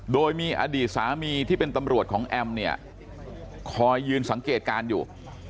โดยมีอดีตสามีที่เป็นตำรวจของแอมเนี่ยคอยยืนสังเกตการณ์อยู่